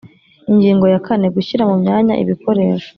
Ingingo ya kane Gushyira mu myanya ibikoresho